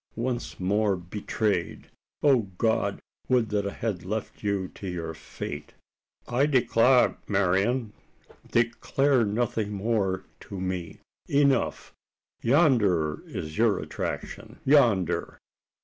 Once more betrayed! O God! would that I had left you to your fate!" "I declar', Marian " "Declare nothing more to me! Enough yonder is your attraction yonder!